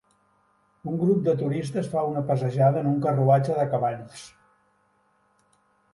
Un grup de turistes fa una passejada en un carruatge de cavalls.